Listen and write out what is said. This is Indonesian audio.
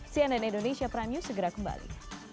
cnn indonesia prime news segera kembali